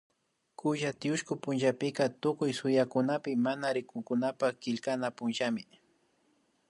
Kulla tiushku punllapika Tukuy suyukunapi mana rikunkunapak killkana punllami